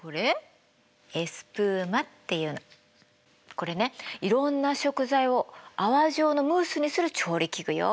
これねいろんな食材を泡状のムースにする調理器具よ。